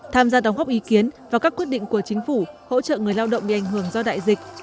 tham gia đóng góp ý kiến và các quyết định của chính phủ hỗ trợ người lao động bị ảnh hưởng do đại dịch